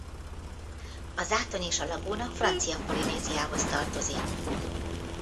A zátony és a lagúna Francia Polinéziához tartozik.